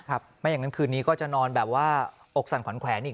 ไม่อย่างนั้นคืนนี้ก็จะนอนแบบว่าอกสั่นขวัญแขวนอีก